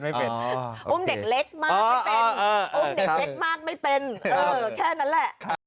อุ้มเด็กเล็กมากไม่เป็นอุ้มเด็กเล็กมากไม่เป็นแค่นั้นแหละ